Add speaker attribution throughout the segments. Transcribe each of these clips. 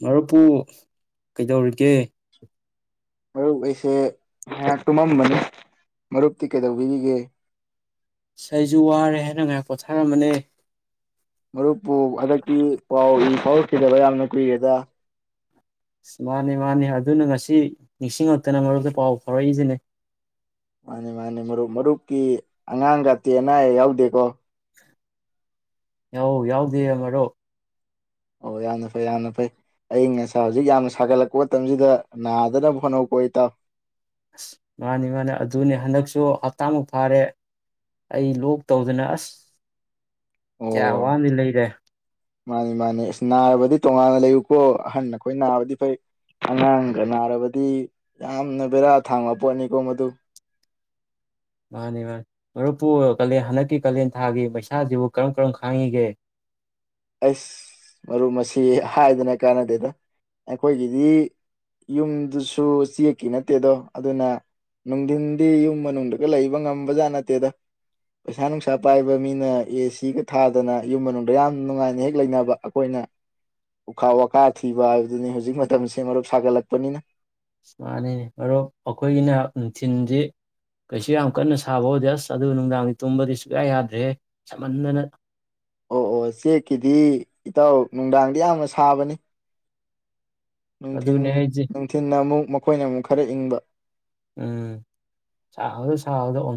Speaker 1: ꯃꯄꯨ ꯀꯩꯗꯧꯔꯤꯒꯦ
Speaker 2: ꯃꯔꯨꯞ ꯑꯩꯁꯦ ꯉꯍꯥꯛ ꯇꯨꯝꯃꯝꯕꯅꯤ ꯃꯔꯨꯞꯇꯤ ꯀꯩꯗꯧꯕꯤꯔꯤꯒꯦ
Speaker 1: ꯁꯖ ꯋꯥꯔꯦ ꯍꯥꯏꯅ ꯉꯥꯏꯍꯥꯛ ꯄꯣꯊꯥꯔꯝꯕꯅꯦ
Speaker 2: ꯃꯔꯨꯞꯄꯨ ꯍꯟꯗꯛꯀꯤ ꯄꯥꯎ ꯏ ꯐꯥꯎꯔꯛꯈꯤꯗꯕ ꯌꯥꯝꯅ ꯀꯨꯏꯔꯦꯗ
Speaker 1: ꯑꯁ ꯃꯥꯅꯤ ꯃꯥꯅꯤ ꯑꯗꯨꯅ ꯉꯁꯤ ꯅꯤꯡꯁꯤꯡꯉꯛꯇꯅ ꯃꯔꯛꯇ ꯄꯥꯎ ꯐꯥꯎꯔꯛꯏꯁꯤꯅꯦ
Speaker 2: ꯃꯥꯅꯤ ꯃꯥꯅꯤ ꯃꯔꯨꯞ ꯃꯔꯨꯞꯀꯤ ꯑꯉꯥꯡꯒꯇꯦ ꯑꯅꯥ ꯑꯌꯦꯛ ꯌꯥꯎꯗꯦꯀꯣ
Speaker 1: ꯌꯥꯎ ꯌꯥꯎꯗꯦ ꯑꯃꯔꯣ
Speaker 2: ꯑꯣ ꯌꯥꯝꯅ ꯐꯩ ꯌꯥꯝꯅ ꯐꯩ ꯑ ꯉꯁꯥꯏ ꯍꯧꯖꯤꯛ ꯌꯥꯝꯅ ꯁꯥꯒꯠꯂꯛꯄ ꯃꯇꯝꯁꯤꯗ ꯅꯥꯗꯅꯕ ꯍꯣꯠꯅꯄ ꯏꯇꯥꯥꯎ
Speaker 1: ꯑꯁ ꯃꯥꯅꯤ ꯃꯥꯅꯤ ꯑꯗꯨꯅꯦ ꯍꯟꯗꯛꯁꯨ ꯍꯞꯇꯥꯃꯨꯛ ꯐꯥꯔꯦ ꯑꯩ ꯂꯣꯛ ꯇꯧꯗꯅ ꯑꯁ ꯀꯌꯥ
Speaker 2: ꯑꯣ
Speaker 1: ꯋꯥꯋꯥꯅꯤ ꯂꯩꯔꯦ
Speaker 2: ꯃꯥꯅꯤ ꯃꯥꯅꯤ ꯑꯁ ꯅꯥꯔꯕꯗꯤ ꯇꯣꯉꯥꯟꯅ ꯂꯩꯌꯨꯀꯣ ꯑꯍꯟ ꯑꯩꯈꯣꯏ ꯅꯥꯕꯗꯤ ꯐꯩ ꯑꯉꯥꯡꯒ ꯅꯥꯔꯕꯗꯤ ꯌꯥꯝꯅ ꯕꯦꯔꯥ ꯊꯥꯡꯕ ꯄꯣꯠꯅꯤꯀꯣ ꯃꯗꯨ
Speaker 1: ꯃꯥꯅꯤ ꯃꯥꯅꯤ ꯃꯔꯨꯞꯄꯨ ꯀꯥꯂꯦꯟ ꯍꯟꯗꯛꯀꯤ ꯀꯥꯂꯦꯟ ꯊꯥꯒꯤ ꯄꯩꯁꯥꯁꯤꯕꯨ ꯀꯔꯝ ꯀꯔꯝ ꯈꯥꯡꯉꯤꯒꯦ
Speaker 2: ꯑꯁ ꯃꯔꯨꯞ ꯃꯁꯤ ꯍꯥꯏꯗꯅ ꯀꯥꯟꯅꯗꯦꯗ ꯑꯩꯈꯣꯏꯒꯤꯗꯤ ꯌꯨꯝꯗꯨꯁꯨ ꯆꯦꯛꯀꯤ ꯅꯠꯇꯦꯗꯣ ꯑꯗꯨꯅ ꯅꯨꯡꯊꯤꯟꯗꯤ ꯌꯨꯝ ꯃꯅꯨꯡꯗꯒ ꯂꯩꯕ ꯉꯝꯕꯖꯥꯠ ꯅꯠꯇꯦꯗ ꯄꯩꯁꯥ ꯅꯨꯡꯁꯥ ꯄꯥꯏꯕ ꯃꯤꯅ ꯑꯦ ꯁꯤꯒ ꯊꯥꯗꯅ ꯌꯨꯝ ꯃꯅꯨꯡꯗ ꯌꯥꯝ ꯅꯨꯡꯉꯥꯏꯅ ꯍꯦꯛ ꯂꯩꯅꯕ ꯑꯩꯈꯣꯏꯅ ꯎꯈꯥ ꯋꯥꯈꯥ ꯊꯤꯕ ꯍꯥꯏꯕꯗꯨꯅꯤ ꯍꯧꯖꯤꯛ ꯃꯇꯝꯁꯦ ꯃꯔꯨꯞ ꯁꯥꯒꯠꯂꯛꯄꯅꯤꯅ
Speaker 1: ꯁꯨꯃꯅꯅꯦ ꯃꯔꯨꯞ ꯑꯩꯈꯣꯏꯒꯤꯅ ꯅꯨꯡꯊꯤꯤꯟꯗꯤ ꯀꯩꯁꯨ ꯌꯥꯝ ꯀꯟꯅ ꯁꯥꯕ ꯍꯧꯗꯦ ꯑꯁ ꯑꯗꯨ ꯅꯨꯡꯗꯥꯡꯗꯤ ꯇꯨꯝꯕꯗꯤ ꯁꯨꯌꯥ ꯌꯥꯗ꯭ꯔꯦ ꯁꯃꯟꯗꯅ
Speaker 2: ꯑꯣ ꯑꯣ ꯆꯦꯛꯀꯤꯗꯤ ꯏꯇꯥꯎ ꯅꯨꯡꯗꯥꯡꯗꯤ ꯌꯥꯝꯅ ꯁꯥꯕꯅꯤ ꯊ
Speaker 1: ꯑꯗꯨꯅꯦ ꯍꯥꯏꯁꯦ
Speaker 2: ꯅꯨꯡꯊꯤꯅ ꯑꯃꯨꯛ ꯃꯈꯣꯏꯅ ꯑꯃꯨꯛ ꯈꯔ ꯏꯪꯕ
Speaker 1: ꯎꯝ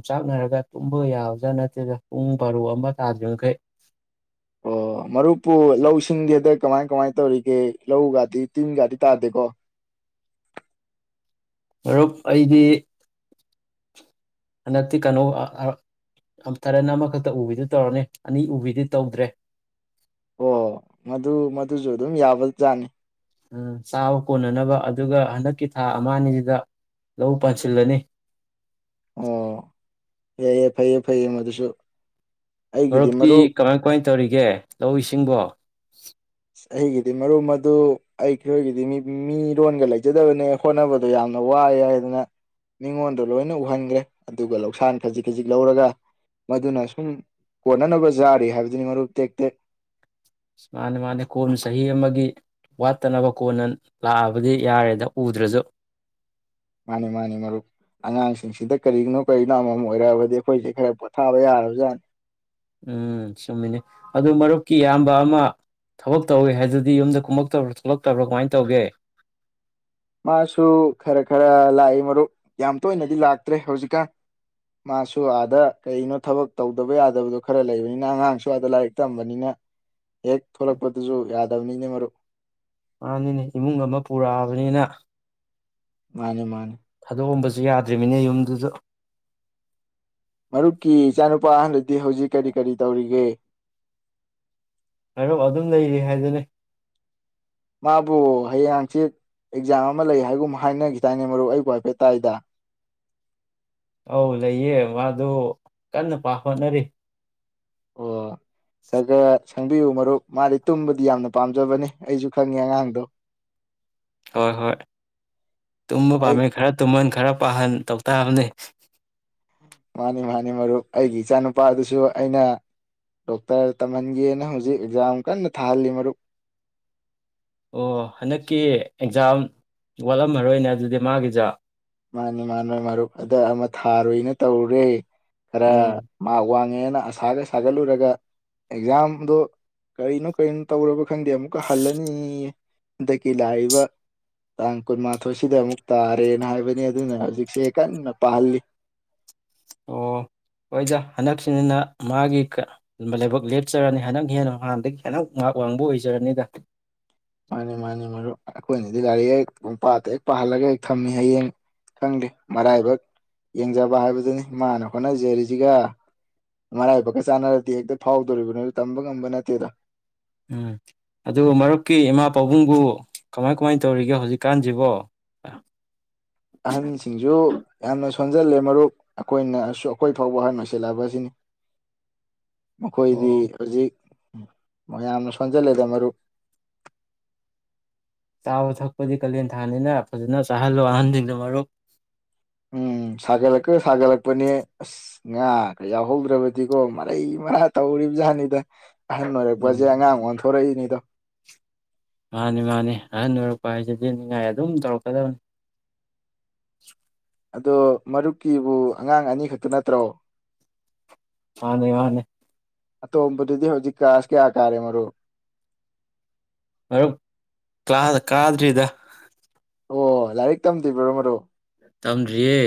Speaker 1: ꯆꯥꯛꯅꯔꯒ ꯇꯨꯝꯕ ꯌꯥꯎꯕꯗ꯭ꯔꯥ ꯅꯠꯇ꯭ꯔꯗ ꯄꯨꯡ ꯄꯔꯨ ꯑꯃ ꯇꯥꯗ꯭ꯔꯤꯕꯈꯩ
Speaker 2: ꯑꯣ ꯃꯔꯨꯞꯄꯨ ꯂꯧ ꯁꯤꯡꯗꯦ ꯑꯗ ꯀꯃꯥꯏ ꯀꯃꯥꯏꯅ ꯇꯧꯔꯤꯒꯦ ꯂꯧꯒꯥꯗꯤ ꯇꯤꯟꯒꯥꯗꯤ ꯇꯥꯗꯦꯀꯣ
Speaker 1: ꯃꯔꯨꯞ ꯑꯩꯗꯤ ꯍꯟꯗꯛꯇꯤ ꯀꯩꯅꯣ ꯇꯔꯦꯟ ꯑꯃꯈꯛꯇ ꯎꯕꯤꯗꯨ ꯇꯧꯔꯅꯤ ꯑꯅꯤ ꯎꯕꯤꯗꯤ ꯇꯧꯗ꯭ꯔꯦ
Speaker 2: ꯑꯣ ꯃꯗꯨ ꯃꯗꯨꯁꯨ ꯑꯗꯨꯝ ꯌꯥꯕꯖꯥꯅꯤ
Speaker 1: ꯎꯝ ꯆꯥꯕ ꯀꯣꯟꯅꯅꯕ ꯑꯗꯨꯒ ꯍꯟꯗꯛꯀꯤ ꯊꯥ ꯑꯃ ꯑꯅꯤꯁꯤꯗ ꯂꯧ ꯄꯥꯟꯁꯤꯜꯂꯅꯤ
Speaker 2: ꯑꯣ ꯌꯥꯏ ꯌꯥꯏ ꯐꯩꯌꯦ ꯐꯩꯌꯦ ꯃꯗꯨꯁꯨ ꯑꯩꯒꯤꯗꯤ
Speaker 1: ꯍꯧꯞꯇꯤ
Speaker 2: ꯃꯔꯨꯞ
Speaker 1: ꯀꯃꯥꯏ ꯀꯃꯥꯏ ꯇꯧꯔꯤꯒꯦ ꯂꯧ ꯏꯁꯤꯡꯕꯣ ꯁꯤꯠ [inaudible]
Speaker 2: ꯑ ꯑꯩꯒꯤꯗꯤ ꯃꯔꯨꯞ ꯃꯗꯨ ꯑꯩꯈꯣꯏꯒꯤꯗꯤ ꯃꯤꯔꯣꯟꯒ ꯂꯩꯖꯗꯕꯅꯦ ꯍꯣꯠꯅꯕꯗꯣ ꯌꯥꯝꯅ ꯋꯥꯏ ꯍꯥꯏꯗꯅ ꯃꯤꯉꯣꯟꯗ ꯂꯣꯏꯅ ꯎꯍꯟꯈ꯭ꯔꯦ ꯑꯗꯨꯒ ꯂꯧꯁꯥꯟ ꯈꯖꯤꯛ ꯈꯖꯤꯛ ꯂꯧꯔꯒ ꯃꯗꯨꯅ ꯁꯨꯝ ꯀꯣꯟꯅꯅꯕ ꯌꯥꯔꯤ ꯍꯥꯏꯕꯗꯨꯅꯤ ꯃꯔꯨꯞ ꯇꯦꯛ ꯇꯦꯛ
Speaker 1: ꯃꯥꯅꯦ ꯃꯥꯅꯦ ꯀꯣꯟꯅ ꯆꯍꯤ ꯑꯃꯒꯤ ꯋꯥꯠꯇꯅꯕ ꯀꯣꯟꯅ ꯂꯥꯛꯑꯕꯗꯤ ꯌꯥꯔꯦꯗ ꯎꯗ꯭ꯔꯁꯨ
Speaker 2: ꯃꯥꯅꯤ ꯃꯥꯅꯤ ꯃꯔꯨꯞ ꯑꯉꯥꯡꯁꯤꯡꯁꯤꯗ ꯀꯔꯤꯒꯤꯅꯣ ꯀꯔꯤꯅꯣ ꯑꯃꯃꯝ ꯑꯣꯏꯔꯛꯑꯕꯗꯤ ꯑꯩꯈꯣꯏꯁꯦ ꯈꯔ ꯄꯣꯊꯥꯕ ꯌꯥꯔꯕꯖꯥꯠꯅꯤ
Speaker 1: ꯎꯝ ꯆꯨꯝꯃꯤꯅꯤ ꯑꯗꯨ ꯃꯔꯨꯞꯀꯤ ꯏꯌꯥꯝꯕ ꯑꯃ ꯊꯕꯛ ꯇꯧꯋꯦ ꯍꯥꯏꯗꯨꯗꯤ ꯌꯨꯝꯗ ꯀꯨꯝꯃꯛꯇꯕ꯭ꯔꯥ ꯊꯣꯛꯂꯛꯇꯕ꯭ꯔꯥ ꯀꯃꯥꯏꯅ ꯇꯧꯒꯦ
Speaker 2: ꯃꯥꯁꯨ ꯈꯔ ꯈꯔ ꯂꯥꯛꯏ ꯃꯔꯨꯞ ꯌꯥꯝ ꯇꯣꯏꯅꯗꯤ ꯂꯥꯛꯇ꯭ꯔꯦ ꯍꯧꯖꯤꯛꯀꯥꯟ ꯃꯥꯁꯨ ꯑꯥꯗ ꯀꯩꯅꯣ ꯊꯕꯛ ꯇꯧꯗꯕ ꯌꯥꯗꯕꯗꯣ ꯈꯔ ꯂꯩꯕꯅꯤꯅ ꯑꯉꯥꯡꯁꯨ ꯑꯥꯗ ꯂꯥꯏꯔꯤꯛ ꯇꯝꯕꯅꯤꯅ ꯍꯦꯛ ꯊꯣꯛꯂꯛꯄꯗꯨꯁꯨ ꯌꯥꯗꯕꯅꯤꯅ ꯃꯔꯨꯞ
Speaker 1: ꯃꯥꯅꯤꯅꯦ ꯏꯃꯨꯡ ꯑꯃ ꯄꯨꯔꯛꯑꯕꯅꯤꯅ
Speaker 2: ꯃꯥꯅꯦ ꯃꯥꯅꯦ
Speaker 1: ꯌꯥꯗ꯭ꯃꯤꯅꯦ ꯌꯨꯝꯗꯨꯗ
Speaker 2: ꯃꯔꯨꯞꯀꯤ ꯏꯆꯥꯅꯨꯄꯥ ꯑꯍꯟꯗꯗꯤ ꯍꯧꯖꯤꯛ ꯀꯔꯤ ꯀꯔꯤ ꯇꯧꯔꯤꯒꯦ
Speaker 1: ꯃꯔꯨꯞ ꯑꯗꯨꯝ ꯂꯩꯔꯤ ꯍꯥꯏꯗꯨꯅ
Speaker 2: ꯃꯥꯕꯨ ꯍꯌꯦꯡ ꯍꯪꯆꯤꯆꯠ ꯑꯦꯛꯖꯥꯝ ꯑꯃ ꯂꯩ ꯍꯥꯏꯒꯨꯝ ꯍꯥꯏꯅꯈꯤꯗꯥꯏꯅꯦ ꯃꯔꯨꯞ ꯑꯩꯕꯨ ꯍꯥꯏꯐꯦꯠ ꯇꯥꯏꯗ
Speaker 1: ꯑꯧ ꯂꯩꯌꯦ ꯃꯥꯗꯨ ꯀꯟꯅ ꯄꯥ ꯍꯣꯠꯅꯔꯤ
Speaker 2: ꯑꯣ [unintelligible] ꯈꯪꯕꯤꯌꯨ ꯃꯔꯨꯞ ꯃꯥꯗꯤ ꯇꯨꯝꯕꯗꯤ ꯌꯥꯝꯅ ꯄꯥꯝꯖꯕꯅꯤ ꯑꯩꯁꯨ ꯈꯪꯉꯦ ꯑꯉꯥꯡꯗꯣ
Speaker 1: ꯍꯣꯏ ꯍꯣꯏ ꯇꯨꯝꯕ
Speaker 2: ꯑꯩ
Speaker 1: ꯄꯥꯝꯃꯤ ꯈꯔ ꯇꯨꯝꯃꯟ ꯈꯔ ꯄꯥꯍꯟ ꯇꯧ ꯇꯕꯅꯦ
Speaker 2: ꯃꯥꯅꯤ ꯃꯥꯅꯤ ꯃꯔꯨꯞ ꯑꯩꯒꯤ ꯏꯆꯥ ꯅꯨꯨꯄꯥꯗꯨꯁꯨ ꯑꯩꯅ ꯗꯣꯛꯇꯔ ꯇꯝꯍꯟꯒꯦꯅ ꯍꯧꯖꯤꯛ ꯑꯦꯛꯖꯥꯝ ꯀꯟꯅ ꯊꯥꯍꯜꯂꯤ ꯃꯔꯨꯞ
Speaker 1: ꯑꯣ ꯍꯟꯗꯛꯀꯤ ꯑꯦꯛꯖꯥꯝ ꯋꯥꯠꯂꯝꯃꯔꯣꯏꯅꯦ ꯑꯗꯨꯗꯤ ꯃꯥꯒꯤꯖ
Speaker 2: ꯃꯥꯅꯤ ꯃꯥ ꯃꯔꯨꯞ ꯑꯗ ꯑꯃ ꯊꯥꯔꯣꯏꯅ ꯇꯧꯔꯨꯔꯦ ꯈꯔ
Speaker 1: ꯎꯝ
Speaker 2: ꯃꯥꯒꯋꯥꯡ ꯅꯦꯅ ꯑꯁꯥꯒ ꯁꯥꯒꯠꯂꯨꯔꯒ ꯑꯦꯛꯖꯥꯝꯗꯣ ꯀꯔꯤꯅꯣ ꯀꯔꯤꯅꯣ ꯇꯧꯔꯕ ꯈꯪꯗꯦ ꯑꯃꯨꯛꯀ ꯍꯜꯂꯅꯤ ꯍꯟꯗꯛꯀꯤ ꯂꯥꯛꯏꯕ ꯇꯥꯡ ꯀꯨꯟꯃꯥꯊꯣꯏꯁꯤꯗ ꯑꯃꯨꯛ ꯇꯥꯔꯦꯅ ꯍꯥꯏꯕ ꯑꯗꯨꯅ ꯍꯧꯖꯤꯛꯁꯦ ꯀꯟꯅ ꯄꯥꯍꯜꯂꯤ
Speaker 1: ꯑꯣ ꯍꯣꯏꯗ ꯍꯟꯗꯛꯁꯤꯅꯅ ꯃꯥꯒꯤ ꯂꯥꯏꯕꯛ ꯂꯦꯞꯆꯔꯅꯤ ꯍꯟꯗꯛ ꯍꯦꯟꯅ ꯅꯍꯥꯟꯗꯒꯤ ꯍꯟꯗꯛ ꯉꯥꯏꯍꯥꯛ ꯋꯥꯡꯕ ꯑꯣꯏꯖꯔꯅꯤꯗ
Speaker 2: ꯃꯥꯅꯤ ꯃꯥꯅꯤ ꯃꯔꯨꯞ ꯑꯩꯈꯣꯏꯅꯗꯤ ꯒꯥꯔꯤ ꯍꯦꯛ ꯄꯥꯠꯇ ꯍꯦꯛ ꯄꯥꯍꯜꯂꯒ ꯍꯦꯛ ꯊꯝꯃꯤ ꯍꯌꯦꯡ ꯈꯪꯗꯦ ꯃꯔꯥꯏꯕꯛ ꯌꯦꯡꯖꯕ ꯍꯥꯏꯕꯗꯨꯅꯤ ꯃꯥꯅ ꯍꯣꯠꯅꯖꯔꯤꯁꯤꯒ ꯃꯔꯥꯏꯕꯛꯀ ꯆꯥꯟꯅꯔꯗꯤ ꯍꯦꯛꯇ ꯐꯥꯎꯗꯣꯔꯤꯕꯅꯤꯣ ꯇꯝꯕ ꯉꯝꯕ ꯅꯠꯇꯦꯗ
Speaker 1: ꯎꯝ ꯑꯗꯨ ꯃꯔꯨꯞꯀꯤ ꯏꯃꯥ ꯄꯥꯕꯨꯡꯕꯨ ꯀꯃꯥꯏ ꯀꯃꯥꯏ ꯇꯧꯔꯤꯒꯦ ꯍꯧꯖꯤꯛꯀꯥꯟꯁꯤꯕꯣ
Speaker 2: ꯑꯍꯟꯁꯤꯡꯁꯨ ꯌꯥꯝꯅ ꯁꯣꯟꯖꯜꯂꯦ ꯃꯔꯨꯞ ꯑꯩꯈꯣꯏꯅꯁꯨ ꯑꯩꯈꯣꯏ ꯐꯥꯎꯕ ꯑꯍꯟ ꯑꯣꯏꯁꯤꯜꯂꯕ ꯑꯁꯤꯅꯤ ꯃꯈꯣꯏꯗꯤ
Speaker 1: ꯑꯣ
Speaker 2: ꯍꯧꯖꯤꯛ ꯎꯝ ꯃꯣꯏ ꯑꯃꯅ ꯁꯟꯖꯌꯥ ꯂꯩꯗꯃꯣ
Speaker 1: ꯆꯥꯕ ꯊꯛꯄꯗꯤ ꯀꯥꯂꯦꯟ ꯊꯥꯅꯤꯅ ꯐꯖꯅ ꯆꯥꯍꯜꯂꯣ ꯑꯍꯟꯁꯤꯡꯗꯣ ꯃꯔꯨꯞ
Speaker 2: ꯎꯝ ꯁꯥꯒꯠꯂꯛꯀ ꯁꯥꯒꯠꯂꯛꯄꯅꯦ ꯑꯁ ꯉꯥꯒ ꯌꯥꯎꯍꯧꯗ꯭ꯔꯕꯗꯤꯀꯣ ꯃꯔꯩ ꯃꯔꯥ ꯇꯧꯔꯤꯕ ꯖꯥꯠꯅꯤꯗ ꯑꯍꯟ ꯑꯣꯏꯔꯛꯄꯁꯦ
Speaker 1: ꯎꯝ
Speaker 2: ꯑꯉꯥꯡ ꯊꯣꯔꯛꯏꯅꯤꯗ
Speaker 1: ꯃꯥꯅꯤ ꯃꯥꯅꯤ ꯑꯍꯟ ꯑꯣꯏꯔꯛꯄ ꯍꯥꯏꯁꯤꯗꯤ ꯅꯤꯡꯉꯥꯏ ꯑꯗꯨꯝ ꯇꯧꯔꯛꯀꯗꯕꯅꯤ
Speaker 2: ꯑꯗꯣ ꯃꯔꯨꯞꯀꯤꯕꯨ ꯑꯉꯥꯡ ꯑꯅꯤꯈꯛꯇ ꯅꯠꯇ꯭ꯔꯣ
Speaker 1: ꯃꯥꯅꯦ ꯃꯥꯅꯦ
Speaker 2: ꯑꯇꯣꯝꯕꯗꯨꯗꯤ ꯍꯧꯖꯤꯛꯀꯥꯁ ꯀꯌꯥ ꯀꯥꯔꯦ ꯃꯔꯨ
Speaker 1: ꯃꯔꯞ ꯀ꯭ꯂꯥꯁ ꯀꯥꯗ꯭ꯔꯤꯗ
Speaker 2: ꯑꯣ ꯂꯥꯏꯔꯤꯛ ꯇꯝꯗ꯭ꯕ꯭ꯔꯣ ꯃꯔꯨꯞ
Speaker 1: ꯇꯝꯗꯔꯤꯌꯦ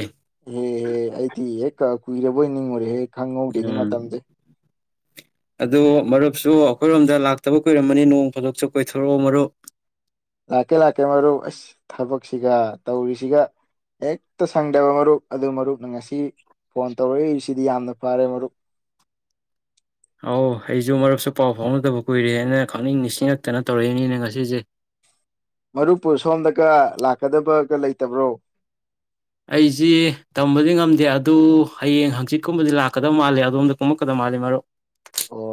Speaker 2: ꯍꯦꯍꯦ ꯑꯩꯗꯤ ꯍꯦꯛꯀ ꯀꯨꯏꯔꯕꯣꯏ ꯅꯤꯡꯉꯨꯔꯦ ꯍꯦꯛ ꯈꯪꯍꯧꯗꯦꯅꯤ
Speaker 1: ꯎꯝ
Speaker 2: ꯃꯇꯝꯗꯤ
Speaker 1: ꯑꯗꯨ ꯃꯔꯨꯞꯁꯨ ꯑꯩꯈꯣꯏꯔꯣꯝꯗ ꯂꯥꯛꯇꯕ ꯀꯨꯏꯔꯝꯃꯅꯤ ꯅꯣꯡ ꯐꯨꯗꯣꯛꯁꯨ ꯀꯣꯏꯊꯣꯔꯛꯑꯣ ꯃꯔꯨꯞ
Speaker 2: ꯂꯥꯛꯀꯦ ꯂꯥꯛꯀꯦ ꯃꯔꯨꯞ ꯑꯁ ꯊꯕꯛꯁꯤꯒ ꯇꯧꯔꯤꯁꯤꯒ ꯍꯦꯛꯇ ꯁꯪꯗꯕ ꯃꯔꯨꯞ ꯑꯗꯨ ꯃꯔꯨꯞꯅ ꯉꯁꯤ ꯐꯣꯟ ꯇꯧꯔꯛꯏꯁꯤꯗꯤ ꯌꯥꯝꯅ ꯐꯔꯦ ꯃꯔꯨꯞ
Speaker 1: ꯑꯥꯎ ꯑꯩꯁꯨ ꯃꯔꯨꯞꯁꯨ ꯄꯥꯎ ꯐꯥꯎꯅꯗꯕ ꯀꯨꯏꯔꯦ ꯍꯥꯏꯅ ꯈꯪꯅꯤꯡ ꯅꯤꯡꯁꯤꯡꯉꯛꯇꯅ ꯇꯧꯔꯛꯏꯅꯤꯅꯦ ꯉꯁꯤꯁꯦ
Speaker 2: ꯃꯔꯨꯞꯄꯨ ꯁꯣꯝꯗꯒ ꯂꯥꯛꯀꯗꯕꯒ ꯂꯩꯇꯕ꯭ꯔꯣ
Speaker 1: ꯑꯩꯁꯤ ꯇꯝꯕꯗꯤ ꯉꯝꯗꯦ ꯑꯗꯨ ꯍꯌꯦꯡ ꯍꯪꯆꯤꯠꯀꯨꯝꯕꯗꯤ ꯂꯥꯛꯀꯗ ꯃꯥꯜꯂꯦ ꯑꯗꯣꯝꯗ ꯀꯨꯝꯃꯛꯀꯗꯕ ꯃꯥꯜꯂꯦ ꯃꯔꯨꯞ
Speaker 2: ꯑꯣ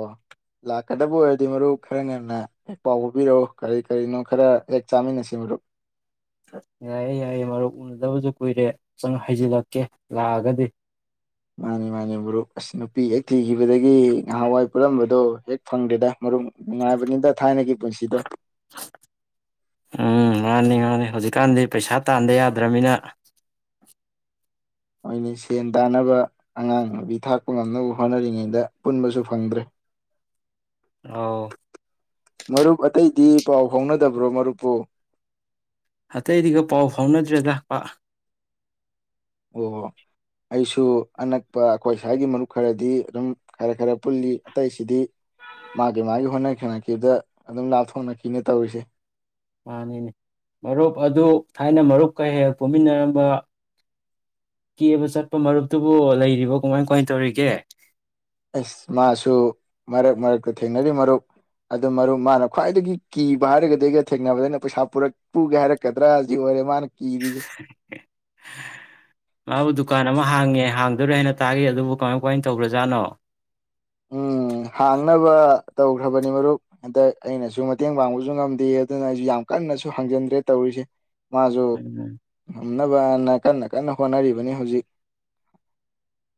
Speaker 2: ꯂꯥꯛꯀꯗꯕ ꯑꯣꯏꯔꯗꯤ ꯃꯔꯨꯞ ꯈꯔ ꯉꯟꯅ ꯍꯦꯛ ꯄꯥꯎ ꯄꯥꯎꯕꯤꯔꯛꯑꯣ ꯀꯔꯤ ꯀꯔꯤꯅꯣ ꯈꯔ ꯍꯦꯛ ꯆꯥꯃꯤꯟꯅꯁꯤ ꯃꯔꯨꯞ
Speaker 1: ꯌꯥꯏꯌꯦꯦ ꯌꯥꯏꯌꯦꯦ ꯃꯔꯨꯞ ꯎꯅꯗꯕꯁꯨ ꯀꯨꯏꯔꯦ ꯆꯪ ꯍꯩꯖꯤꯜꯂꯛꯀꯦ ꯂꯥꯛꯑꯒꯗꯤ
Speaker 2: ꯃꯥꯅꯤ ꯃꯥꯅꯤ ꯃꯔꯨꯔꯨꯞ ꯑꯁ ꯅꯨꯄꯤ ꯍꯦꯛ ꯊꯤꯈꯤꯕꯗꯒꯤ ꯅꯍꯥꯟꯋꯥꯏ ꯄꯨꯜꯂꯝꯝꯕꯗꯣ ꯍꯦꯛ ꯐꯪꯗꯦꯗ ꯃꯔꯨꯞ ꯉꯥꯏꯕꯗ ꯊꯥꯏꯅ ꯀ ꯄꯨꯟꯁꯤꯗ
Speaker 1: ꯎꯝ ꯉꯥꯡꯅꯤ ꯉꯅꯤ ꯍꯧꯖꯤꯛꯀꯥꯟꯗꯤ ꯄꯩꯁꯥ ꯇꯥꯟꯥꯟꯕ ꯌꯥꯗ꯭ꯔꯅꯤꯅ
Speaker 2: ꯃꯅꯤ ꯁꯦꯟ ꯇꯥꯅꯕ ꯑꯉꯥꯡ ꯅꯨꯕꯤ ꯊꯥꯛꯄ ꯉꯝꯅꯕ ꯍꯣꯠꯅꯔꯤꯉꯩꯗ ꯄꯨꯟꯕꯁꯨ ꯐꯪꯗ꯭ꯔꯦ
Speaker 1: ꯑꯥꯎ
Speaker 2: ꯃꯔꯨꯞ ꯑꯇꯩꯗꯤ ꯄꯥꯎ ꯐꯥꯎꯅꯗꯕ꯭ꯔꯣ ꯃꯔꯨꯞꯄꯨ
Speaker 1: ꯑꯇꯩꯗꯤꯒ ꯄꯥꯎ ꯐꯥꯎꯅꯗ꯭ꯔꯦ ꯂꯥꯛꯄ
Speaker 2: ꯑꯣ ꯑꯩꯁꯨ ꯑꯅꯛꯄ ꯑꯩꯈꯣꯏ ꯁ꯭ꯋꯥꯏꯒꯤ ꯃꯔꯨꯞ ꯈꯔꯗꯤ ꯑꯗꯨꯝ ꯈꯔ ꯈꯔ ꯄꯨꯜꯂꯤ ꯑꯇꯩꯁꯤꯗꯤ ꯃꯥꯒꯤ ꯃꯥꯒꯤ ꯍꯣꯠꯅꯈꯤꯦꯅꯈꯤꯕꯗ ꯑꯗꯨꯝ ꯂꯥꯞꯊꯣꯛꯅꯈꯤꯅꯦ ꯇꯧꯔꯤꯁꯦ
Speaker 1: ꯃꯥꯅꯦꯅꯦ ꯃꯔꯨꯞ ꯑꯗꯨ ꯊꯥꯏꯅ ꯃꯔꯨꯞꯀ ꯍꯦꯛ ꯄꯨꯨꯝꯃꯤꯟꯅꯔꯝꯕ ꯀꯦꯕ ꯆꯠꯄ ꯃꯔꯨꯞꯇꯨꯕꯨ ꯂꯩꯔꯤꯕ ꯀꯃꯥꯏ ꯀꯃꯥꯏ ꯇꯧꯔꯤꯒꯦ
Speaker 2: ꯑꯦꯁ ꯃꯥꯁꯨ ꯃꯔꯛ ꯃꯔꯛꯇ ꯊꯦꯡꯅꯔꯤ ꯃꯔꯨꯞ ꯑꯗꯨ ꯃꯔꯨꯞ ꯃꯥꯅ ꯈ꯭ꯋꯥꯏꯗꯒꯤ ꯀꯤꯕ ꯍꯥꯏꯔꯒꯗꯤꯒ ꯊꯦꯡꯅꯕꯗꯅ ꯄꯩꯁꯥ ꯄꯨꯔꯛ ꯄꯨꯒꯦ ꯍꯥꯏꯔꯛꯀꯗ꯭ꯔꯥꯖꯤ ꯑꯣꯏꯔꯦ ꯃꯥꯅ ꯀꯤꯔꯤꯁꯦ
Speaker 1: ꯃꯥꯕꯨ ꯗꯨꯀꯥꯟ ꯑꯃ ꯍꯥꯡꯉꯦ ꯍꯥꯡꯗꯣꯔꯦ ꯍꯥꯏꯅ ꯇꯥꯒ ꯑꯗꯨꯕꯨ ꯀꯃꯥꯏ ꯀꯃꯥꯏꯅ ꯇꯧꯧꯕ꯭ꯔꯖꯥꯠꯅꯣ
Speaker 2: ꯎꯝ ꯍꯥꯡꯅꯕ ꯇꯧꯈ꯭ꯔꯕꯅꯤ ꯃꯔꯨꯞ ꯍꯟꯗꯛ ꯑꯩꯅꯁꯨ ꯃꯇꯦꯡ ꯄꯥꯡꯕꯁꯨ ꯉꯝꯗꯦ ꯑꯗꯨꯅ ꯑꯩꯁꯨ ꯌꯥꯝ ꯀꯟꯅꯁꯨ ꯍꯥꯡꯖꯤꯟꯗ꯭ꯔꯦ ꯇꯧꯔꯤꯁꯦ ꯃꯥꯁꯨꯣ
Speaker 1: ꯎꯝ
Speaker 2: ꯊꯝꯅꯕꯅ ꯀꯟꯅ ꯀꯟꯅ ꯍꯣꯠꯅꯔꯤꯕꯅꯤ ꯍꯧꯖꯤꯛ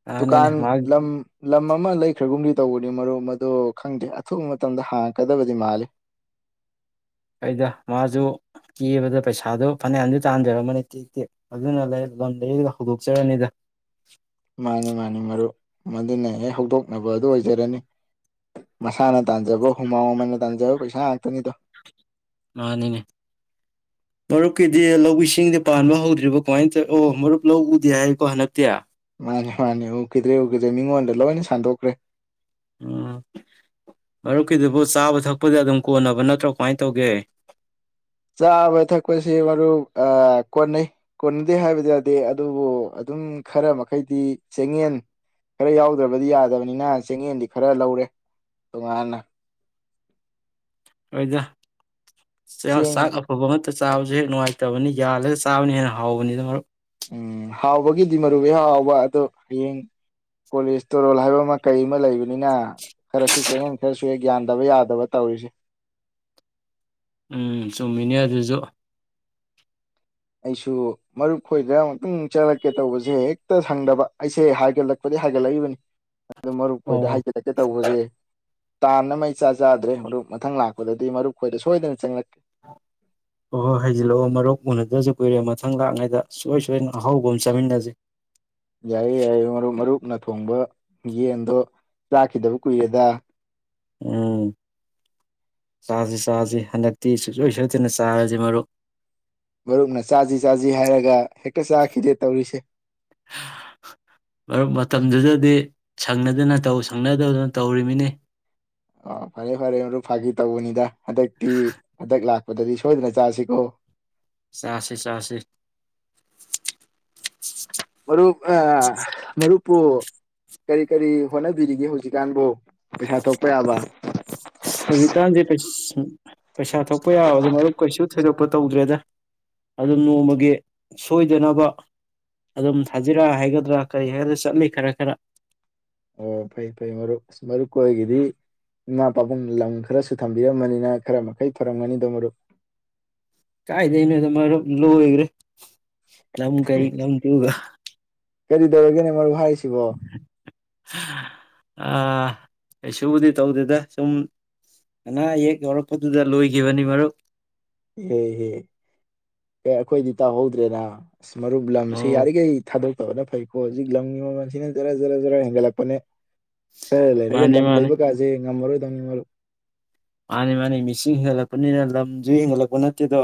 Speaker 1: ꯃꯥꯅꯤꯅꯦ
Speaker 2: ꯗꯨꯀꯥꯟ
Speaker 1: ꯃꯥ
Speaker 2: ꯂꯝ ꯂꯃ ꯑꯃ ꯂꯩ ꯈ꯭ꯔꯒꯨꯝꯂꯤ ꯇꯧꯕꯅꯤ ꯃꯔꯨꯞ ꯃꯗꯨ ꯈꯪꯗꯦ ꯑꯊꯨꯕ ꯃꯇꯝꯗ ꯍꯥꯡꯉꯛꯀꯗꯕꯗꯤ ꯃꯥꯜꯂꯤ
Speaker 1: ꯑꯩꯗ ꯃꯥꯁꯨ ꯀꯦꯕꯗ ꯄꯩꯁꯥꯗꯣ ꯐꯅꯌꯥꯝꯗꯤ ꯇꯥꯟꯖꯔꯝꯃꯅꯤ ꯇꯦꯛ ꯇꯦꯛ ꯑꯗꯨꯅ ꯂꯝ ꯂꯩꯔꯒ ꯍꯧꯗꯣꯛꯆꯔꯅꯤꯗ
Speaker 2: ꯃꯥꯅꯤ ꯃꯥꯅꯤ ꯃꯔꯨꯞ ꯃꯗꯨꯅ ꯍꯦꯛ ꯍꯧꯗꯣꯛꯅꯕ ꯑꯗꯨ ꯑꯣꯏꯖꯔꯅꯤ ꯃꯁꯥꯅ ꯇꯥꯟꯖꯕ ꯍꯨꯃꯥꯎ ꯃꯃꯟꯅ ꯇꯥꯟꯖꯕ ꯄꯩꯁꯥ ꯉꯥꯛꯇꯅꯤꯗꯣ
Speaker 1: ꯃꯥꯅꯤꯅꯦ ꯃꯔꯨꯞꯀꯤꯗꯤ ꯂꯧ ꯏꯁꯤꯡꯗꯤ ꯄꯥꯟꯕ ꯍꯧꯗ꯭ꯔꯤꯕ ꯀꯃꯥꯏꯅ ꯇꯧ ꯑꯣ ꯃꯔꯨꯞ ꯂꯧ ꯎꯗꯤꯦ ꯍꯥꯏꯀꯣ ꯍꯟꯗꯛꯇꯤ
Speaker 2: ꯃꯥꯅꯦ ꯃꯥꯅꯦ ꯎꯈꯤꯗ꯭ꯔꯦ ꯎꯈꯤꯗ꯭ꯔꯦ ꯃꯤꯉꯣꯟꯗ ꯂꯣꯏꯅ ꯁꯟꯗꯣꯛꯈ꯭ꯔꯦ
Speaker 1: ꯎꯝ ꯃꯔꯨꯞꯀꯤꯗꯨꯕꯨ ꯆꯥꯕ ꯊꯛꯄꯗꯤ ꯑꯗꯨꯝ ꯀꯣꯟꯅꯕ ꯅꯠꯇ꯭ꯔꯣ ꯀꯃꯥꯏꯅ ꯇꯧꯒꯦ
Speaker 2: ꯆꯥꯕ ꯊꯛꯄꯁꯦ ꯃꯔꯨ ꯀꯣꯟꯅꯩ ꯀꯣꯟꯅꯗꯦ ꯍꯥꯏꯕꯗꯤ ꯌꯥꯗꯦ ꯑꯗꯨꯕꯨ ꯑꯗꯨꯝ ꯈꯔ ꯃꯈꯩꯗꯤ ꯆꯌꯦꯟ ꯈꯔ ꯌꯥꯎꯗ꯭ꯔꯕꯗꯤ ꯌꯥꯗꯕꯅꯤꯅ ꯆꯦꯌꯦꯟꯗꯤ ꯈꯔ ꯂꯧꯔꯦ ꯇꯣꯉꯥꯟꯅ
Speaker 1: ꯑꯣꯏꯗ ꯁꯥ
Speaker 2: ꯆꯦꯡ
Speaker 1: ꯑꯐꯕ ꯑ ꯆꯥꯕꯁꯨ ꯍꯦꯛ ꯅꯨꯡꯉꯥꯏꯇꯕꯅꯤ ꯌꯥꯜꯂꯒ ꯆꯥꯕꯅ ꯍꯦꯟꯅ ꯍꯥꯎꯕꯅꯤꯅ ꯃꯔꯛ
Speaker 2: ꯎꯝ ꯍꯥꯎꯕꯒꯤꯗꯤ ꯃꯔꯨꯕ ꯍꯥꯎꯕ ꯑꯗꯣ ꯍꯌꯦꯡ ꯀꯣꯂꯦꯖꯇꯣꯔꯣꯜ ꯍꯥꯏꯕ ꯑꯃ ꯀꯩ ꯑꯃ ꯂꯩꯕꯅꯤꯅ ꯈꯔꯁꯨ ꯆꯦꯛꯉꯟ ꯈꯔꯁꯨꯦ ꯒ꯭ꯌꯥꯟꯗꯕ ꯌꯥꯗꯕ ꯇꯧꯔꯤꯁꯦ
Speaker 1: ꯎꯝ ꯆꯨꯝꯃꯤꯅꯤ ꯑꯗꯨꯁꯨ
Speaker 2: ꯑꯩꯁꯨ ꯃꯔꯨꯞ ꯈꯣꯏꯗꯅ ꯑꯃꯨꯛꯇꯪ ꯆꯠꯂꯛꯦ ꯀꯩ ꯇꯧꯕꯁꯦ ꯍꯦꯛꯇ ꯁꯪꯗꯕ ꯑꯩꯁꯦ ꯍꯥꯏꯒꯠꯂꯛꯄꯗꯤ ꯍꯥꯏꯒꯠꯂꯛꯏꯕꯅꯤ ꯑꯗꯨ ꯃꯔꯨꯞ
Speaker 1: ꯑꯣ
Speaker 2: ꯈꯣꯏꯗ
Speaker 1: ꯍꯣꯏ
Speaker 2: ꯍꯥꯏꯖꯤꯜꯂꯛꯀꯦ ꯇꯧꯕꯁꯦ ꯇꯥꯟꯅ ꯃꯩ ꯆꯥ ꯆꯥꯗ꯭ꯔꯦ ꯃꯔꯨꯞ ꯃꯊꯪ ꯂꯥꯛꯄꯗꯗꯤ ꯃꯔꯨꯞ ꯈꯣꯏꯗ ꯁꯣꯏꯗꯅ ꯆꯪꯂꯛꯀꯦ
Speaker 1: ꯍꯣꯏ ꯍꯣꯏ ꯍꯩꯖꯤꯜꯂꯛꯑꯣ ꯃꯔꯣꯛ ꯎꯅꯗ꯭ꯔꯁꯨ ꯀꯨꯏꯔꯦ ꯃꯊꯪ ꯂꯥꯛꯉꯩꯗ ꯁꯨꯡꯣꯏ ꯁꯣꯏꯗꯅ ꯑꯍꯧꯕ ꯑꯃ ꯆꯥꯃꯤꯟꯅꯁꯦ
Speaker 2: ꯌꯥꯏꯌꯦꯦ ꯌꯥꯏꯌꯦꯦ ꯃꯔꯨꯞ ꯃꯔꯨꯞꯅ ꯊꯣꯡꯕ ꯌꯦꯟꯗꯣ ꯆꯥꯈꯤꯗꯕ ꯀꯨꯏꯔꯦꯗ
Speaker 1: ꯎꯝ ꯆꯁꯤ ꯆꯥꯁꯤ ꯍꯟꯗꯛꯇꯤ ꯁꯨꯡꯁꯣꯏ ꯁꯣꯏꯗꯅ ꯆꯥꯔꯁꯤ ꯃꯔꯨꯞ
Speaker 2: ꯃꯔꯨꯞꯅ ꯆꯥꯁꯤ ꯆꯥꯁꯤ ꯍꯥꯏꯔꯒ ꯍꯦꯛ ꯀꯁꯦꯥꯈꯤꯗꯦ ꯇꯧꯔꯤꯁꯦ
Speaker 1: ꯃꯔꯨꯞ ꯃꯇꯝꯗꯨꯗꯗꯤ ꯁꯪꯅꯗꯅ ꯇꯧ ꯁꯪꯅꯗꯧꯗꯅ ꯇꯧꯔꯤꯃꯤꯅꯤ
Speaker 2: ꯑ ꯐꯔꯦ ꯐꯔꯦ ꯑꯣꯏꯔꯣ ꯐꯥꯀꯤ ꯇꯕꯨꯅꯤꯗꯥ ꯍꯟꯗꯛꯇꯤ ꯍꯟꯗꯛ ꯂꯥꯛ ꯑꯗꯨꯗꯗꯤ ꯁꯣꯏꯗꯅ ꯆꯥꯁꯤꯀꯣ
Speaker 1: ꯆꯁꯦ ꯆꯁꯦ
Speaker 2: ꯃꯔꯨꯞ ꯑ ꯃꯔꯨꯞ ꯄꯨ ꯀꯔꯤ ꯀꯔꯤ ꯍꯣꯠꯅꯕꯤꯔꯤꯒꯦ ꯍꯧꯖꯤꯛꯀꯥꯟꯕꯨ ꯄꯩꯁꯥ ꯊꯣꯛꯄ ꯌꯥꯕ
Speaker 1: ꯍꯧꯖꯤꯛꯀꯥꯟꯗꯤ ꯄꯩꯁꯥ ꯊꯣꯛꯄ ꯌꯥꯕꯗ ꯃꯔꯨꯞ ꯀꯩꯁꯨ ꯊꯣꯏꯗꯣꯛꯄ ꯇꯧꯗ꯭ꯔꯦꯗ ꯑꯗꯨꯝ ꯅꯣꯡꯃꯒꯤ ꯁꯣꯏꯗꯅꯕ ꯑꯗꯨꯝ ꯊꯥꯖꯤꯔꯛꯑ ꯍꯥꯏꯒꯗ꯭ꯔꯥ ꯀꯔꯤ ꯍꯥꯏꯒꯗ꯭ꯔꯥ ꯆꯠꯂꯤ ꯈꯔ ꯈꯔ
Speaker 2: ꯑꯣ ꯐꯩ ꯐꯩ ꯃꯔꯨꯞ ꯑꯁ ꯃꯔꯨꯞ ꯀꯣꯏꯒꯤꯗꯤ ꯏꯃꯥ ꯄꯥꯕꯨꯡ ꯂꯝ ꯈꯔꯁꯨ ꯊꯝꯕꯤꯔꯝꯕꯅꯤꯅ ꯈꯔ ꯃꯈꯩ ꯐꯔꯝꯒꯅꯤꯗꯣ ꯃꯔꯨꯞ
Speaker 1: ꯀꯥꯏꯗꯣꯏꯅꯣꯗ ꯃꯔꯨꯞ ꯂꯣꯏꯈ꯭ꯔꯦ ꯂꯝ ꯀꯩ ꯂꯝ ꯇꯨꯒ
Speaker 2: ꯀꯔꯤ ꯇꯧꯔꯒꯦꯅꯦ ꯃꯔꯨꯞ ꯍꯥꯏ ꯑꯁꯤꯕ
Speaker 1: ꯑ ꯀꯩꯁꯨꯕꯨꯗꯤ ꯇꯧꯗꯦꯗ ꯁꯨꯝ ꯑꯅꯥ ꯑꯌꯦꯛ ꯌꯧꯔꯛꯄꯗꯨꯗ ꯂꯣꯏꯈꯤꯕꯅꯤ ꯃꯔꯨꯞ
Speaker 2: ꯏꯍꯦ ꯏꯍꯦ ꯑꯦ ꯑꯩꯈꯣꯏꯗꯤ ꯇꯧꯍꯧꯗ꯭ꯔꯦꯅ ꯃꯔꯨꯞ ꯂꯝꯁꯤ
Speaker 1: ꯑꯣ
Speaker 2: ꯌꯥꯔꯤꯈꯩ ꯊꯥꯗꯣꯛ ꯇꯕꯅ ꯐꯩꯀꯣ ꯍꯧꯖꯤꯛ ꯂꯝꯒꯤ ꯃꯃꯜꯁꯤꯅ ꯖꯔ ꯖꯔ ꯖꯔ ꯍꯦꯟꯒꯠꯂꯛꯄꯅꯦ ꯈꯔ ꯂꯩꯔꯒ
Speaker 1: ꯃꯥꯅꯤ
Speaker 2: ꯂꯝ
Speaker 1: ꯃꯥꯅꯤ
Speaker 2: ꯂꯩꯕ ꯀꯥꯁꯦ ꯉꯝꯃꯔꯣꯏ ꯗꯨꯅꯤ ꯃꯔꯨꯞ
Speaker 1: ꯃꯥꯅꯦ ꯃꯥꯅꯦ ꯃꯤꯁꯤꯡ ꯍꯦꯟꯒꯠꯂꯛꯄꯅꯤꯅ ꯂꯝꯁꯨ ꯍꯦꯟꯒꯠꯂꯛꯄ ꯅꯠꯇꯦꯗꯣ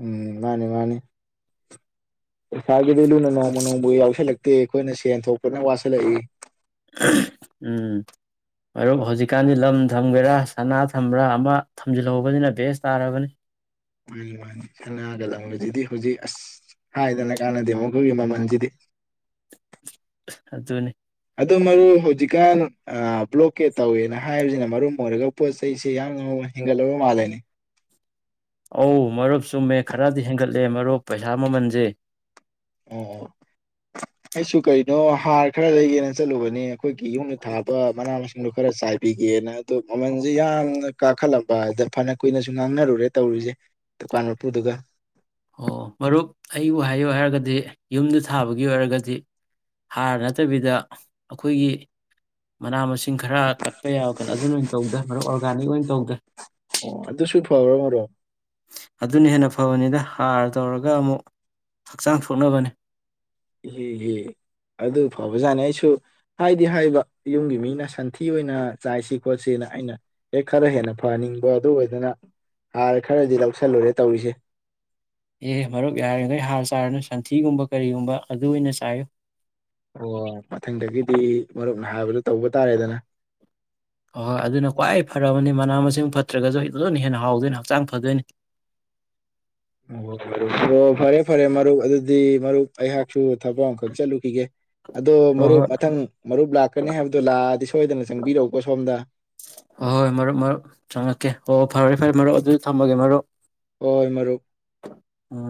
Speaker 2: ꯎꯝ ꯃꯥꯅꯤ ꯃꯥꯅꯤ ꯏꯁꯩꯁꯥꯒꯤꯗꯤ ꯂꯨꯅ ꯅꯣꯡꯃ ꯅꯣꯡꯃ ꯌꯥꯎꯁꯜꯂꯛꯇꯦ ꯑꯩꯈꯣꯏꯅ ꯁꯦꯟ ꯊꯣꯛꯄꯗꯅ ꯋꯥꯁꯤꯜꯂꯛꯏ
Speaker 1: ꯎꯝ ꯃꯔꯨꯞ ꯍꯧꯖꯤꯛꯀꯥꯟꯗꯤ ꯂꯝ ꯊꯝꯒꯦꯔꯥ ꯁꯅꯥ ꯊꯝꯕ꯭ꯔꯥ ꯑꯃ ꯊꯝꯖꯤꯜꯍꯧꯕꯅꯤꯅ ꯕꯦꯁ ꯇꯥꯔꯕꯅꯤ
Speaker 2: ꯃꯥꯅꯤ ꯃꯥꯅꯤ ꯈꯅꯒꯗꯪꯁꯤꯗꯤ ꯍꯧꯖꯤꯛ ꯑꯁ ꯍꯥꯏꯗꯅ ꯀꯥꯟꯅꯗꯦ ꯃꯈꯣꯏꯒꯤ ꯃꯃꯜꯁꯤꯗꯤ
Speaker 1: ꯑꯗꯨꯅꯤ
Speaker 2: ꯑꯗꯨ ꯃꯔꯨ ꯍꯧꯖꯤꯛꯀꯥꯟ ꯕ꯭ꯂꯣꯀꯦꯠ ꯇꯧꯋꯦꯅ ꯍꯥꯏꯕꯁꯤꯅ ꯃꯔꯝ ꯑꯣꯏꯔꯒ ꯄꯣꯠ ꯆꯩꯁꯦ ꯌꯥꯝꯅ ꯍꯦꯟꯒꯠꯂꯕ ꯃꯥꯜꯂꯦꯅꯤ
Speaker 1: ꯑꯧ ꯃꯔꯨꯞ ꯆꯨꯝꯃꯦ ꯈꯔꯗꯤ ꯍꯦꯟꯒꯠꯂꯦ ꯃꯔꯨꯞ ꯄꯩꯁꯥ ꯃꯃꯜꯁꯦ
Speaker 2: ꯑꯣ ꯑꯩꯁꯨ ꯀꯩꯅꯣ ꯍꯥꯔ ꯈꯔ ꯂꯩꯒꯦꯅ ꯆꯠꯂꯨꯕꯅꯦ ꯑꯩꯈꯣꯏꯒꯤ ꯌꯨꯝꯗ ꯊꯥꯕ ꯃꯅꯥ ꯃꯁꯤꯡꯗꯣ ꯈꯔ ꯆꯥꯏꯕꯤꯒꯦꯅ ꯑꯗꯨꯗꯣ ꯃꯃꯜꯁꯦ ꯌꯥꯝꯅ ꯀꯥꯈꯠꯂꯝꯕꯗ ꯐꯅ ꯀꯨꯏꯅꯁꯨ ꯉꯥꯡꯅꯔꯨꯔꯦ ꯇꯧꯔꯤꯁꯦ ꯗꯨꯀꯥꯟ ꯃꯄꯨꯗꯨꯒ
Speaker 1: ꯑꯣ ꯃꯔꯨꯞ ꯑꯩꯕꯨ ꯍꯥꯏꯌꯨ ꯍꯥꯏꯔꯒꯗꯤ ꯌꯨꯝꯗ ꯊꯥꯕꯒꯤ ꯑꯣꯏꯔꯒꯗꯤ ꯍꯥꯔ ꯅꯠꯇꯕꯤꯗ ꯑꯩꯈꯣꯏꯒꯤ ꯃꯅꯥ ꯃꯁꯤꯡ ꯈꯔ ꯀꯠꯄ ꯌꯥꯔ ꯀꯅ ꯑꯗꯨꯅ ꯑꯣꯏꯅ ꯇꯧꯗꯦ ꯃꯔꯨꯞ ꯑꯣꯔꯒꯥꯅꯤꯛ ꯑꯣꯏꯅ ꯇꯧꯗꯦ
Speaker 2: ꯑꯣ ꯑꯗꯨꯁꯨ ꯐꯕ꯭ꯔꯣ ꯃꯔꯨꯞ
Speaker 1: ꯑꯗꯨꯅ ꯍꯦꯟꯅ ꯐꯕꯅꯤꯗ ꯍꯥꯔ ꯇꯧꯔꯒ ꯑꯃꯨꯛ ꯍꯛꯆꯥꯡ ꯁꯣꯛꯅꯕꯅꯤ
Speaker 2: ꯏꯍꯦ ꯏꯍꯦ ꯑꯗꯨ ꯐꯕꯖꯥꯅꯤ ꯑꯩꯁꯨ ꯍꯥꯏꯗꯤ ꯍꯥꯏꯕ ꯌꯨꯝꯒꯤ ꯃꯤꯅ ꯁꯟꯊꯤ ꯑꯣꯏꯅ ꯆꯥꯏꯁꯤ ꯈꯣꯠꯁꯤꯅ ꯑꯩꯅ ꯍꯦꯛ ꯈꯔ ꯍꯦꯟꯅ ꯐꯍꯟꯅꯤꯡꯕ ꯑꯗꯨ ꯑꯣꯏꯗꯅ ꯍꯥꯔ ꯈꯔꯗꯤ ꯂꯧꯁꯜꯂꯨꯔꯦ ꯇꯧꯔꯤꯁꯦ
Speaker 1: ꯑꯦ ꯃꯔꯨꯞ ꯌꯥꯔꯤꯈꯩ ꯍꯥꯔ ꯆꯥꯔꯅꯨ ꯁꯟꯊꯤꯒꯨꯝꯕ ꯀꯔꯤꯒꯨꯝꯕ ꯑꯗꯨ ꯑꯣꯏꯅ ꯆꯥꯏꯌꯨ
Speaker 2: ꯑꯣ ꯃꯊꯪꯗꯒꯤꯗꯤ ꯃꯔꯨꯞꯅ ꯍꯥꯏꯕꯗꯣ ꯇꯧꯕ ꯇꯥꯔꯦꯗꯅ
Speaker 1: ꯍꯣꯏ ꯍꯣꯏ ꯑꯗꯨꯅ ꯈ꯭ꯋꯥꯏ ꯐꯔꯕꯅꯤ ꯃꯅꯥ ꯃꯁꯤꯡ ꯐꯠꯇ꯭ꯔꯒꯁꯨ ꯑꯩ ꯂꯅ ꯍꯦꯟꯅ ꯍꯥꯎꯗꯣꯏꯅꯤ ꯍꯛꯆꯥꯡ ꯐꯗꯣꯏꯅꯤ
Speaker 2: ꯑꯣ ꯑꯣ ꯐꯔꯦ ꯐꯔꯦ ꯃꯔꯨꯞ ꯑꯗꯨꯗꯤ ꯃꯔꯨꯞ ꯑꯩꯍꯥꯛꯁꯨ ꯊꯕꯛ ꯑꯃꯈꯛ ꯆꯠꯂꯨꯈꯤꯒꯦ ꯑꯗꯣ
Speaker 1: ꯍꯣꯏ
Speaker 2: ꯃꯔꯨꯞ
Speaker 1: ꯍꯣꯏ
Speaker 2: ꯃꯊꯪ ꯃꯔꯨꯞ ꯂꯥꯛꯀꯅꯤ ꯍꯥꯏꯕꯗꯣ ꯂꯥꯛꯑꯗꯤ ꯁꯣꯏꯗꯅ ꯆꯪꯕꯤꯔꯛꯎꯀꯣ ꯁꯣꯝꯗ
Speaker 1: ꯍꯣꯏ ꯍꯣꯏ ꯃꯔꯨꯞ ꯃꯔꯨꯞ ꯆꯪꯉꯛꯀꯦ ꯍꯣ ꯐꯔꯦ ꯐꯔꯦ ꯃꯔꯨꯞ ꯑꯗꯨ ꯊꯝꯃꯒꯦ ꯃꯔꯨꯞ
Speaker 2: ꯍꯣꯏ ꯃꯔꯨꯞ
Speaker 1: ꯎꯝ